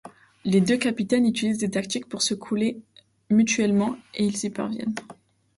Les deux capitaines utilisent des tactiques pour se couler mutuellement, et ils y parviennent.